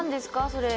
それ。